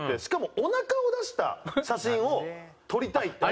しかも「おなかを出した写真を撮りたい」。